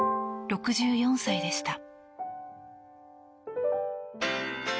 ６４歳でした。